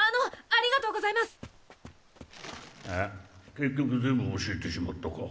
結局全部教えてしまったか。